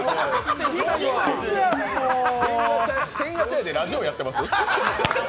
天下茶屋でラジオやってます？